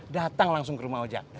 datang langsung ke rumah oja